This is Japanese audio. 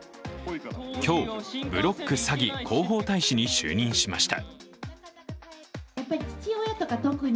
今日、「ブロック！詐欺」広報大使に就任しました。